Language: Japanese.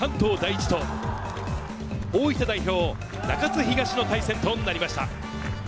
・関東第一と大分代表・中津東の対戦となりました。